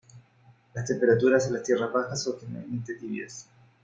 Las temperaturas en las tierras bajas son generalmente tibias.